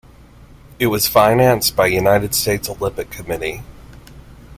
It was financed by United States Olympic Committee.